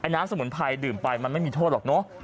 น้ำสมุนไพรดื่มไปมันไม่มีโทษหรอกเนอะ